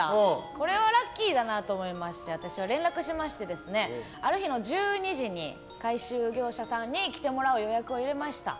これはラッキーだなと思いまして私は連絡しましてある日の１２時に回収業者さんに来てもらう予約を入れました。